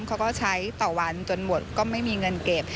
เขาก็ใช้ต่อวันจนหมดก็ไม่มีเงินเก็บ